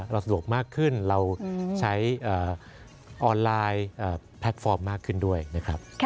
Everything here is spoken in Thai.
เราสะดวกมากขึ้นเราใช้ออนไลน์แพลตฟอร์มมากขึ้นด้วยนะครับ